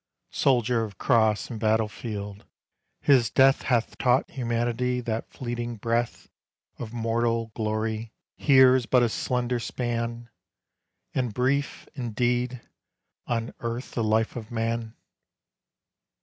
Soldier of cross and battlefield, his death Hath taught humanity that fleeting breath Of mortal glory here is but a slender span, And brief, indeed, on earth the life of man!